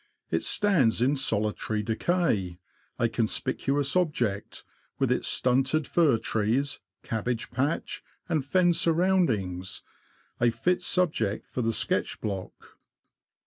It. stands in solitary decay,, a conspicuous 62 THE LAND OF THE BROADS. object, with its stunted fir trees, cabbage patch, and fen surroundings — a fit subject for the sketch block.